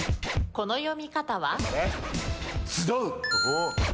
この読み方は？